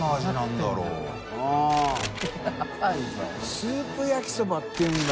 スープ焼きそば」っていうんだ。